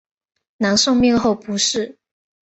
南宋灭后不仕。